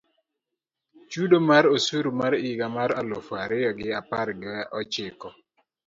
Chudo mar osuru mar higa mar eluf ario gi apar gi ochiko